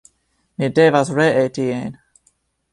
Mi devas ree tien.